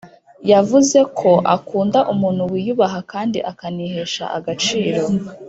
Yavuzeko akunda umuntu wiyubaha kandi akanihesha agaciro